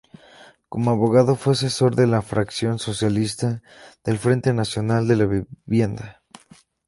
Como abogado, fue asesor de la fracción socialista del Frente Nacional de la Vivienda.